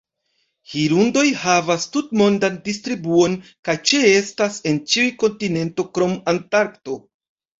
Hirundoj havas tutmondan distribuon, kaj ĉeestas en ĉiu kontinento krom Antarkto.